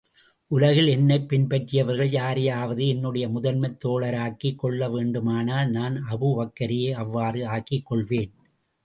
உலகில் என்னைப் பின்பற்றியவர்களில், யாரையாவது என்னுடைய முதன்மைத் தோழராக்கிக் கொள்ள வேண்டுமானால், நான் அபூபக்கரையே அவ்வாறு ஆக்கிக் கொள்வேன்.